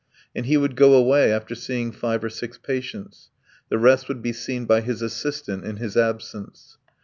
And he would go away after seeing five or six patients. The rest would be seen by his assistant in his absence.